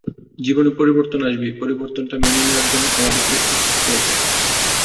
জীবনে পরিবর্তন আসবেই, পরিবর্তনটা মেনে নেওয়ার জন্য আমাদের প্রস্তুত থাকতে হবে।